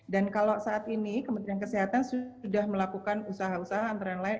dan kalau saat ini kementerian kesehatan sudah melakukan usaha usaha antara lain